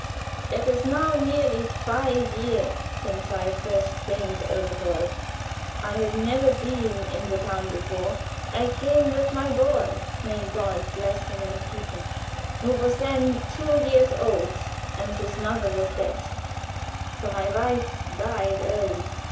"It is now nearly five years since I first came to Elberthal. I had never been in the town before. I came with my boy may God bless him and keep him! who was then two years old, and whose mother was dead for my wife died early."